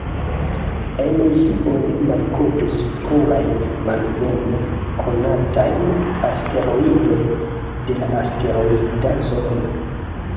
En ĝi oni malkovris plurajn malbone konatajn asteroidojn de la asteroida zono.